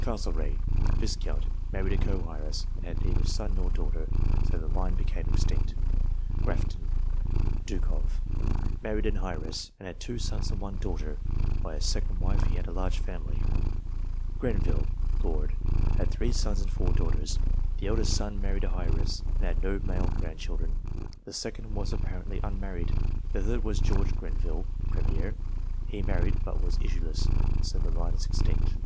Castlereagh, Viscount. Married a co heiress, and had neither son nor daughter ; so the line became extinct. Grafton, Duke of. Married an heiress, and had two sons and one daughter. By a second wife he had a larger family. Grenville, George. Had three sons and four daughters. The eldest son married an heiress, and had no male grand children ; the second was apparently unmarried ; the third was Lord Grenville (Premier) : he married, but was issueless ; so the line is extinct.